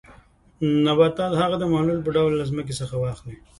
نباتات هغه د محلول په ډول له ځمکې څخه واخلي.